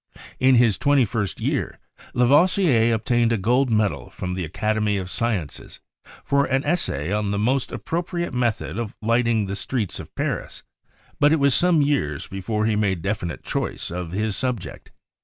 In his twenty first year La voisier obtained a gold medal from the Academy of Sci ences for an essay on the most appropriate method of lighting the streets of Paris, but it was some years before he made definite choice of his subject.